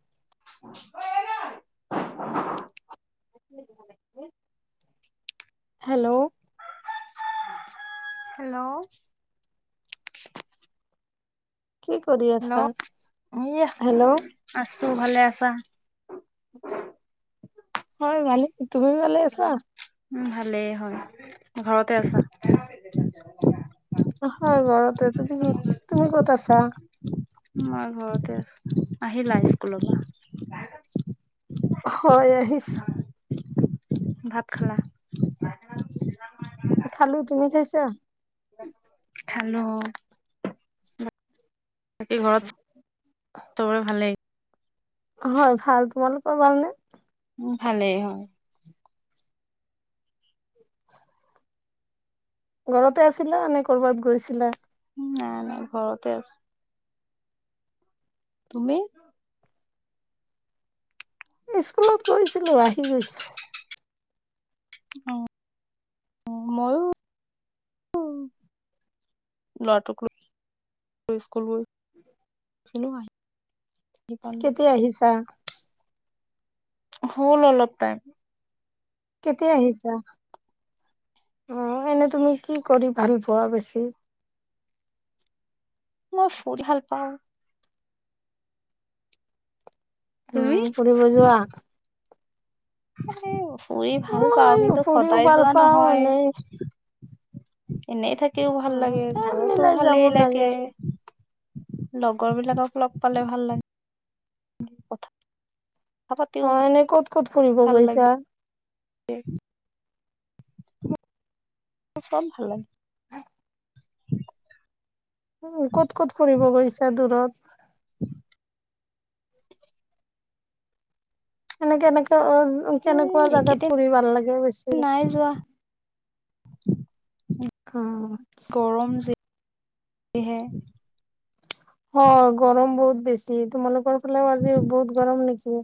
[unintelligible] Hello hello? কি কৰি আছা? হেল্ল'? দিয়া হেল্ল' আছো, ভালে আছা? হয় ভালে, তুমি ভালে আছা? উ ভালেই হয়, ঘৰতে আছা? হয় ঘৰতে তুমি কি তুমি ক'ত আছা? মই ঘৰতে আছো, আহিলা স্কুলৰ পৰা? হয় আহিছ। ভাত খালা? খালো, তুমি খাইছা? [inaudible] হেল্লো'? বাকি ঘৰত চবৰে ভাল নে? হয় ভাল, তোমালোক পৰবাৰ নে? উ ভালেই হয় ঘৰতে আছিলা নে কৰ'বাত গৈছিলা নাই নাই ঘৰতে আছো তুমি স্কুলত গৈছিলো আহি গৈছো। উ মইো লৰাটোক স্কুল গৈ চিলোহয় কেতিয়া আহিছা। হ'ল অলপ টাইম কেতিয়া আহিছা আহ এনে তুমি কি কৰি ভাল পোৱা বেছি মই ফুৰি ভাল পাওঁ অ তুমি কৰিব যোৱা। [unintelligible] ফুৰি ভাল পাওঁ মই কিন্তু ফুৰিও সদায় ভাল যোৱা পাওঁ নহয় এনেই এনেই থাকে ও ভাল অ' লাগে টাইম ঘৰতো মিলাই যাব ভালেই লাগে লগৰ বিলাকক লগ পালে ভাল লাগে অ' কথা [unintelligible] এনে ক'ত ক'ত ফুৰিব গৈছা উম ছব ভাল লাগে উ ক'ত ক'ত ফুৰিব গৈছা দূৰত [inaudible] এনেক এনেক অ উ উম কেনেকুৱা জাগাত এইকেইদিন ফুৰি ভাল লাগে বেছি নাই যোৱা [inaudible] অ গৰম যে যি হে অ গৰম বহুত বেছি তোমালোকৰ ফালেও আজি বহুত গৰম নেকি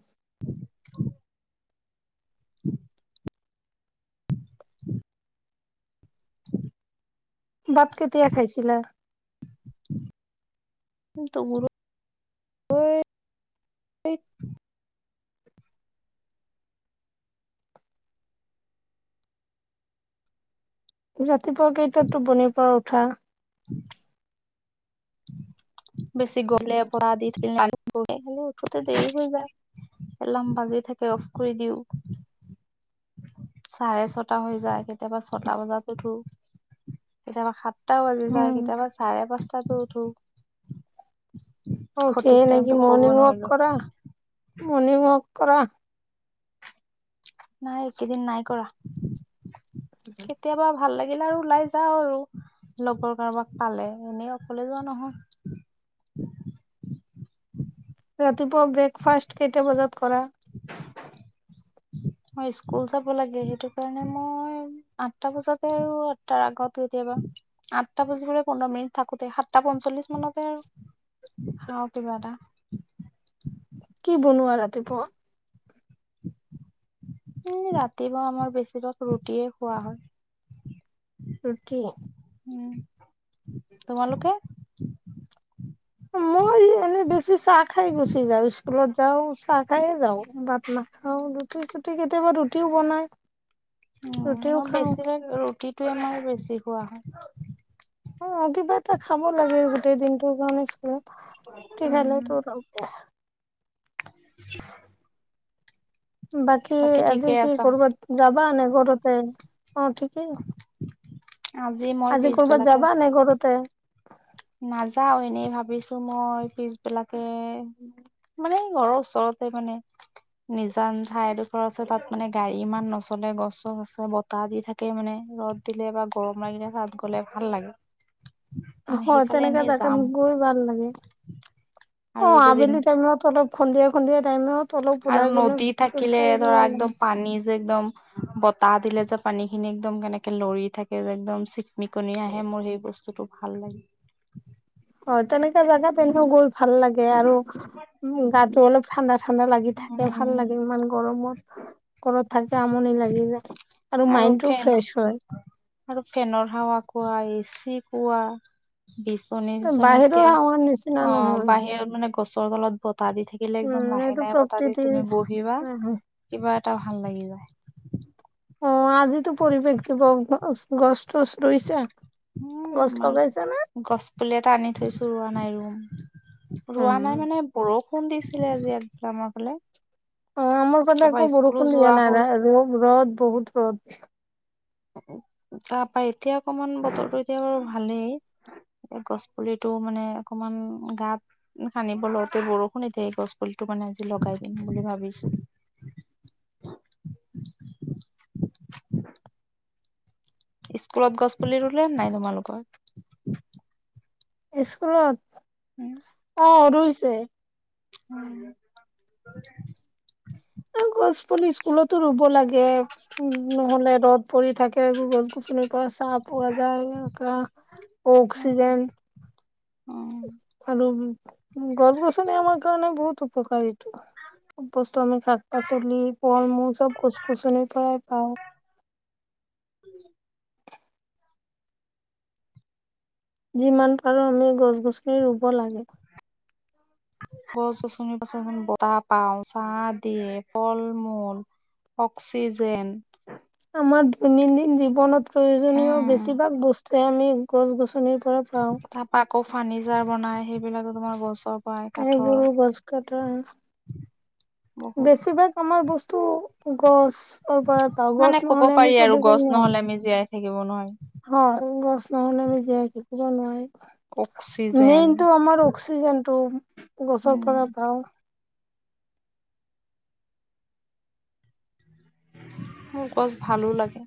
[inaudible] [inaudible] [inaudible] ভাত কেতিয়া খাইছিলা টো গৰু [unintelligible] [unintelligible] তিপা কেইটা টো বনি পাওঁ ঠা বেছি গলে পৰা [unintelligible] উঠোঁতে দেৰি হৈ যায় এলাম বাজি থাকে অফ কৰি দিও চাৰে ছটা হৈ যায় কেতিয়াবা ছটা বজাত উঠো কেতিয়াবা সাত টা বাজি যায় উম কেতিয়াবা চাৰে পাঁচ তাতো, [unintelligible] অ', সঠিক উঠেই নেকি টাইমতটো কব মৰ্ণিং -ৱাক নোৱাৰিলো কৰা মৰ্ণিং- -ৱাক। কৰা। নাই একেদিন নাই কৰা। কেতিয়াবা ভাল লাগে। লাগিলে আৰু ওলাই যাও আৰু লগৰ কাৰোবাক পালে, এনেই অকলে যোৱা নহয়। ৰাতিপুৱা ব্ৰেকফাষ্ট কেইটা বজাত কৰা? মই স্কুল যাব লাগে। সেইটো কাৰণে মই আঠটা বজাতে আৰু আঠটাৰ আগত কেতিয়াবা আঠটা বজিবলৈ পোন্ধৰ -মিনিট থাকোতে সাতটা -পঞ্চল্লিশ মানতে আৰু খাওঁ কিবা এটা। কি বনোৱা ৰাতিপুৱা? এ ', ৰাতিপুৱা আমাৰ বেছিভাগ ৰুটিয়ে খোৱা হয়। ৰুটি। উম, তোমালোকে, [inaudible] মই এনেই বেছি চাহ খাই গুচি যাওঁ স্কুলত যাওঁ চাহ খাইয়ে যাওঁ ভাত নাখাওঁ ৰুটি- চুটি কেতিয়াবা ৰুটিও বনাই। উম, ৰুটিও মই খাওঁ বেছিভাগ ৰুটি, টোৱে মোৰ বেছি খোৱা হয়। অ', কিবা এটা খাব লাগে গোটেই দিনটোৰ কাৰণে চোৱা। কি খালে উম তোৰ বেয়া? [inaudible] বাকী আজি ঠিকে কি আছা কৰবাত যাবা, - আনে ঘৰতে, অ' ঠিকেই। মই আজি কৰ'বাত পিছবেলাকে যাবা নে, ঘৰতে? নাযাও এনেই ভাবিছো মই পিছ বিলাকে মানে ঘৰৰ ওচৰতে মানে নিজান ঠাইডোখৰ আছে তাত মানে গাড়ী ইমান নচলে গছ- চছ আছে, বতাহ দি থাকে মানে ৰ'দ দিলে বা গৰম লাগে তাত গলে ভাল লাগে। মানে হয়। সেইফালে তেনেকে এনেই তাকে যাম গৈ ভাল লাগে অ আৰু ', যদি -আবেলি টাইমত, মোক খুন্দিয়াই- খুন্দিয়াই, - আৰু নদী থাকিলে কাঢ়িলে ধৰা, ভাল লাগে একদম পানী যে একদম বতাহ দিলে যে, পানী খিনি একদম কেনেকে লৰি থাকে যে একদম চি, মিকনি আহে মোৰ সেই বস্তুটো, - ভাল লাগে। হয় তেনেকা [unintelligible] ভাল লাগে আৰু মোৰ গাতো অলপ ঠাণ্ডা- -ঠাণ্ডা লাগি থাকে। ভাল উম লাগে ইমান গৰম, ঘৰত থাকিও আমনি লাগি যায় আৰু মাইনদটো ফ্ৰেছ হয়। কোৱা বিচ চ চনীক বাহিৰৰ হাৱাৰ নিচিনা অ নহয়, বাহিৰত মানে গছ [unintelligible] বাহিৰত বতাহ দি থাকিলে একদম উম লাহে এইটো লাহে বতাহ দি থাকিলে প্ৰকৃতিৰ তুমি বহিবা আহ, কিবা এটা ভাল লাগি যায় অ আজি তো পৰিৱেশ দিৱস গছ তছ ৰুইছা, উম গছ আমাৰ লগাইছা নে? গছ পুলি এটা আনি থৈছো ৰোৱা নাই ৰুম উম ৰোৱা নাই উম, মানে বৰষুণ বৰষুণ দিছিলে আৰু আজি আমাৰ ফালে অ আমাৰ ফালে তাৰপা একোকে স্কুলো বৰষুণ যোৱা দিয়া নাই হ'ল ৰ'দ ৰ'দ বহুত ৰ'দ তাৰ পৰা এতিয়া অকমান বতৰটো এতিয়া ভালেই গছ পুলিটো মানে অকমান গাত সানিব লগাওঁতে বৰষুণ এ দিয়ে এই গছ পুলিটো মানে আজি লগাই দিম বুলি ভাবিছো স্কুলত গছপুলি ৰুলে নাই তোমালোকৰ স্কুলত অ ৰুইছ ছে উম গছপুলি স্কুলতো ৰুব লাগে উ নহ'লে ৰ'দ পৰি থাকে গছ গছনিৰ পৰা ছা পোৱা যায় অক্সিজেন অ খাই লবি গছ গছনি আমাৰ কাৰণে বহুত উপকাৰী ব বস্তু আমি শাক পাচলি ফল মূল চব গছ গছনিৰ পৰাই পাওঁ যিমান পাৰোঁ আমি গছ গছনি ৰুব লাগে গছ গছনি পৰা আমি বতাহ পাওঁ ছা দিয়ে ফল মূল অক্সিজেন আমাৰ দৈনন্দিন জীৱনত প্ৰয়োজনীয় উম বেছিভাগ বস্তুৱে আমি গছ গছনি পৰা পাওঁ তা পা আকৌ ফাৰ্ণিচাৰ বনাই সেইবিলাকে তোমাৰ গছ পৰাই এই বুৰু কাঠৰ গছকাটাৰ বহুত বেছিভাগ আমাৰ বস্তু গ' মানে ক'ব পাৰি আৰু গছ নোৱাৰো নহ'লে আমি জীয়াই থাকিব নোৱাৰি হয় গছ নহলে আমি জীয়াই থাকিব নোৱাৰো অক্সিজেন মেইন টো আমাৰ অক্সিজেন টো গছৰ পৰা উম পাওঁ মোৰ গছ ভালো লাগে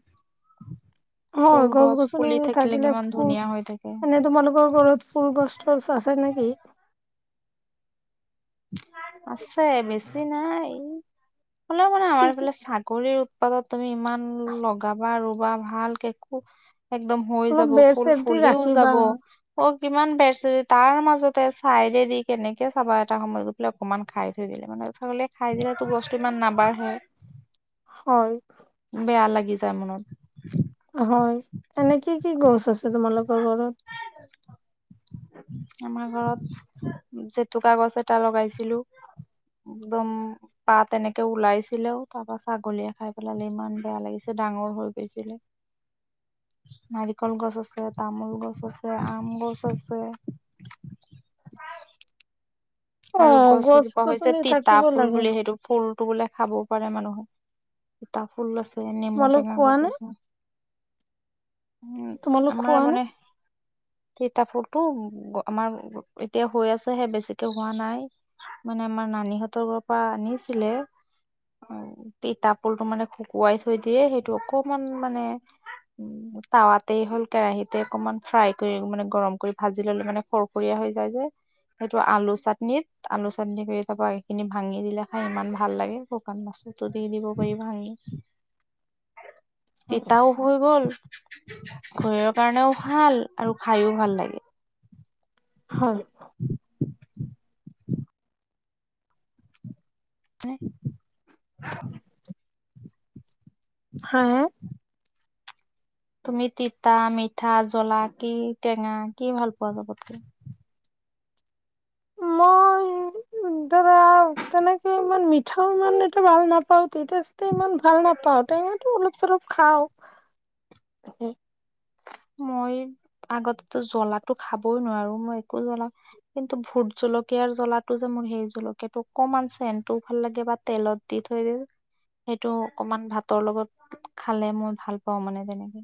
হয় ফুল গছ গছনি ফুলি এনে থাকিলে কিমান ফুল ধুনীয়া হৈ থাকে এনেই তোমালোকৰ ঘৰত ফুল গছ তছ আছে নেকি উচ আছে বেছি নাই। ফুলে মানে কি আমাৰ কি ফালে ছাগলীৰ পাদপ তুমি ইমান লগাবা আৰু ৱাহ ভাল কে কু একদম হৈ অলপ যাব বেৰ ফুল চেৰ দি ফুলিও ৰাখিবা যাব অ কিমান বেৰ চেৰ তাৰ মাজতে চাইডে দি কেনেকে চাবা আৰ এটা সময়ত গৈ পেলাই অকমান খাই থৈ দিলে মানে ছাগলী খাই দিলেতো বস্তু ইমান নাবাঢ়ে। হয়। বেয়া লাগি যায় মনত। হয় এনে কি কি গছ আছে তোমালোকৰ তোৰ ঘৰত আমাৰ ঘৰত জেতুকা গছ এটা লগাইছিলো একদম পাত এনেকে ওলাইছিলেও তাৰপৰা ছাগলীয়ে খাই পেলালে ইমান বেয়া লাগিছে ডাঙৰ হৈ গৈছিলে নাৰিকল গছ আছে তামোল গছ গছ আছে আম গছ আছে অ আৰু গছ এজোপা হৈছে গছনি তিতা থাকিব ফুল লাগে বুলি সেইটো ফুল এইটো বুলে খাবও পাৰে মানুহে তিতা ফুল আছে। দে নেমু তোমালোক টেঙা খোৱা গছ নে আছে। উ তোমালোক আমাৰ খোৱা নে মানে তিতা ফুলটো আমাৰ এতিয়া হৈ আছেহে বেছি এইটো হোৱা নাই মানে আমাৰ নানীহঁতৰ ঘৰৰ পৰা আনিছিলে তিতা ফুলটো মানে শুকুৱাই থৈ দিয়ে সেইটো অকমান মানে উম তাৱাতেই হ'ল কেৰাহিতে অকমান ফ্ৰাই কৰি মানে গৰম কৰি ভাজি ললে মানে খৰখৰীয়া হৈ যায় যে সেইটো আলু চাটনিত আলু চাটনি কৰি তাৰপৰা এইখিনি ভাঙি দিলে খাই ইমান ভাল লাগে শুকান মাছুতটো দি দিব পাৰি ভাঙি। তিতাও হৈ গ'ল শৰীৰৰ কাৰণেও ভাল আৰু খাইও ভাল লাগে। হয়। থাই হা তুমি তিতা মিঠা জ্বলা কি টেঙা কি ভাল পোৱা চবতকে। মই ধৰা তেনেকে ইমান মিঠা ইমান এটা ভাল নাপাওঁ। মিঠা চিঠা ইমান ভাল নাপাওঁ টেঙাটো অলপ চলপ। খাওঁ উমহু মই আগতটো জ্বলাটো খাবই নোৱাৰো মই একো জ্বলা কিন্তু ভূত জলকীয়াৰ জ্বলাটো যে মোৰ সেই জলকীয়াটো অকমান চেনটোও ভাল লাগে বা তেলত দি থৈ দিলে সেইটো অকমান ভাতৰ লগত খালে মই ভাল পাওঁ মানে তেনেকে।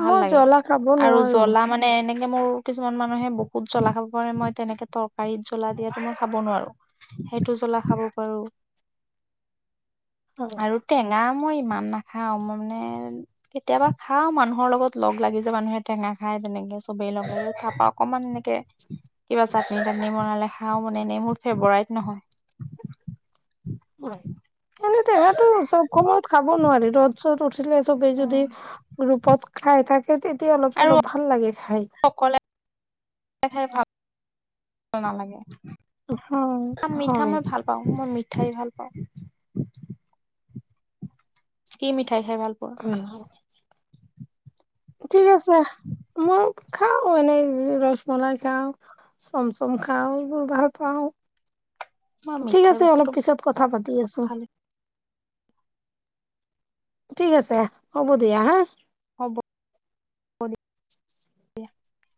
ভাল মই লাগে জ্বলা খাব নোৱাৰো। তেনেকে মোৰ কিছুমান মানুহে বহুত জ্বলা খাব পাৰে। মই তেনেকে তৰকাৰীত জ্বলা দিয়টো মই খাব নোৱাৰো সেইটো জ্বলা খাব পাৰো। হয় আৰু টেঙা মই ইমান নাখাও মানে কেতিয়াবা খাও মানুহৰ লগত লগ লাগি য মানুহে টেঙা খায় তেনেকে চবেই লগ তাপা অকমান এনেকে কিবা চাটনি তাটনি বনালে খাও মানে এনেই মোৰ ফেভাৰইট নহয় হয় এনে টেঙাটো চব সময়ত খাব নোৱাৰি ৰ'দ চদ চবেই যদি গুৰুপত খাই থাকে হে তেতিয়া অলপ আৰু চলপ ভাল লাগে হয় নেখাই ভাল নালাগে হয় মিঠা হয় মই ভাল পাওঁ মই মিঠা খাই ভাল পাওঁ কি মিঠা খাই খাই ভাল পোৱা ঠিক আছে মোৰ খাওঁ এনেই ৰসমলাই খাওঁ চম চম খাওঁ এইবোৰ ভাল পাওঁ মই ঠিক মিঠাই আছে অলপ বস্তুটো পিছত কথা পাতি আছোঁ ভাল ঠিক আছে হ'ব দিয়া হা হ'ব [unintelligible]